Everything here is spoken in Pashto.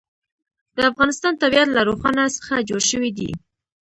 د افغانستان طبیعت له ښارونه څخه جوړ شوی دی.